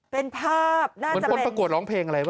เป็นภาพน่าจะเป็นเป็นคนประกวดร้องเพลงอะไรป่ะ